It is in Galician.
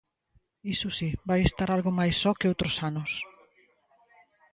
Iso si, vai estar algo máis só que outros anos.